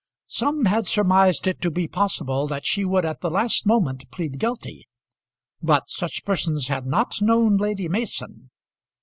Some had surmised it to be possible that she would at the last moment plead guilty, but such persons had not known Lady Mason.